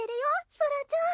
ソラちゃん